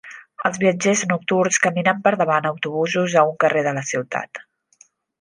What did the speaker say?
Els viatgers nocturns caminant per davant autobusos a un carrer de la ciutat.